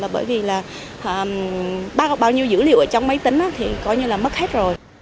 bởi vì là bao nhiêu dữ liệu ở trong máy tính thì coi như là mất hết rồi